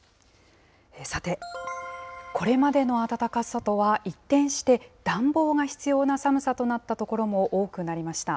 さて、これまでの暖かさとは一転して、暖房が必要な寒さとなった所も多くなりました。